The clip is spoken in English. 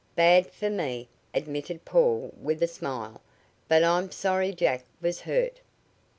"Bad for me," admitted Paul with a smile. "But I'm sorry Jack was hurt."